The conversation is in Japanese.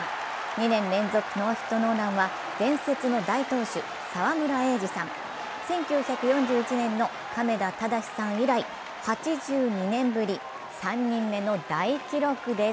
２年連続ノーヒットノーランは伝説の大投手・沢村栄治さん、１９４１年の亀田忠さん以来、８２年ぶり、３人目の大記録です。